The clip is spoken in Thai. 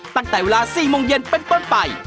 ตั้งแต่เวลา๔โมงเย็นเป็นต้นไป